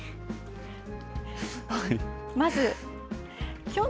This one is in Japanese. まず、きょうの。